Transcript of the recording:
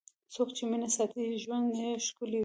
څوک چې مینه ساتي، ژوند یې ښکلی وي.